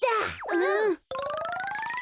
うん！